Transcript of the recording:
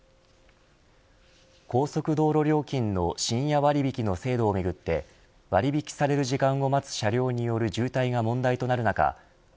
高速道路料金の深夜割引の制度をめぐって割引される時間を待つ車両による渋滞が問題となる中国